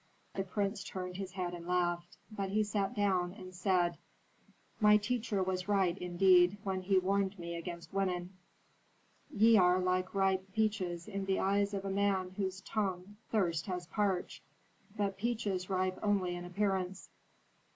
The prince turned his head and laughed. But he sat down, and said, "My teacher was right, indeed, when he warned me against women: Ye are like ripe peaches in the eyes of a man whose tongue thirst has parched, but peaches ripe only in appearance.